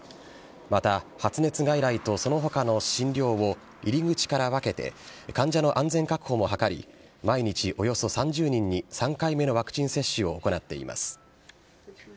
また、発熱外来とそのほかの診療を入り口から分けて、患者の安全確保も図り、毎日およそ３０人に３回目のワクチン接種を行っています。